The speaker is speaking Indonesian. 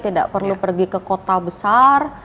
tidak perlu pergi ke kota besar